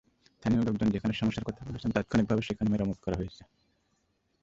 স্থানীয় লোকজন যেখানে সমস্যার কথা বলেছেন, তাৎক্ষণিকভাবে সেখানে মেরামত করা হয়েছে।